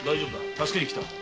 助けに来た。